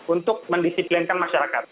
untuk mendisiplinkan masyarakat